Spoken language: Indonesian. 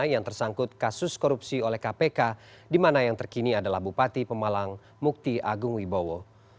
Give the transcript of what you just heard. yang tersangkut kasus korupsi oleh kpk di mana yang terkini adalah bupati pemalang mukti agung wibowo